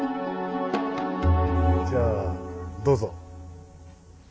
じゃあどうぞ。